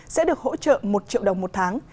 sẽ được hỗ trợ một triệu đồng một tháng